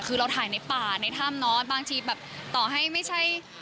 คือเราถ่ายในป่าในถ้ำเนอะบางทีแบบต่อให้ไม่ใช่